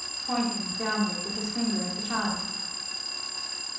pointing downward with his finger, at the child.